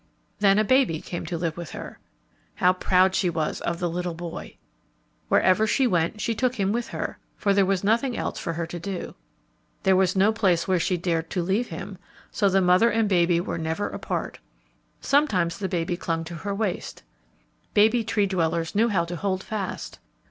Then a baby came to live with her. How proud she was of the little boy! Wherever she went she took him with her, for there was nothing else for her to do. There was no place where she dared to leave him, so the mother and baby were never apart. Sometimes the baby clung to her waist. Baby Tree dwellers knew how to hold fast.